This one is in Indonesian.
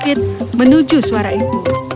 dia menemukan suara suara yang menarik